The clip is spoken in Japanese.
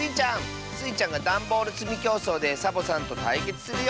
スイちゃんがだんボールつみきょうそうでサボさんとたいけつするよ！